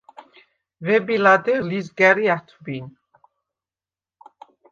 ვები ლადეღ ლიზგა̈რი ა̈თვბინ;